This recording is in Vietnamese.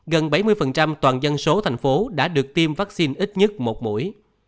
gần bảy mươi toàn dân số thành phố đã được tiêm vaccine ít nhất một mũi